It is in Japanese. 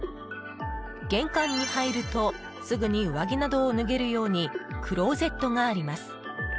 玄関に入るとすぐに上着などを脱げるようにクローゼットがあります。